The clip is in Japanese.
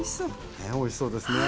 ねえおいしそうですね。